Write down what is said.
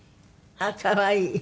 あっ可愛い！